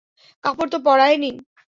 কাপড় তো পরায়ে নিন।